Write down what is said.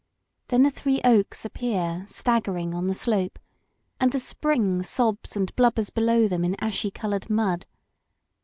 Then the three oaks appear staggering on the slope, and the spring sobs and blubbers below them in ashy colored mud.